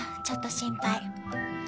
ちょっと心配。